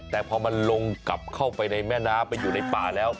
แต่พอมันลงกลับเข้าไปในแม่น้ำไปอยู่ในป่าแล้ว